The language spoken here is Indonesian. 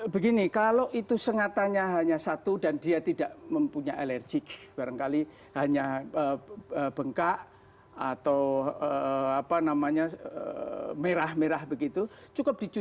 begini kalau itu sengatannya hanya satu dan dia tidak mempunyai alerjik barangkali hanya bengkak atau apa namanya merah merah begitu cukup